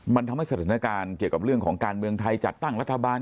มันทำให้สถานการณ์เกี่ยวกับเรื่องของการเมืองไทยจัดตั้งรัฐบาล